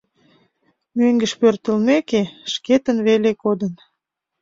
Мӧҥгыш пӧртылмеке, шкетын веле кодын.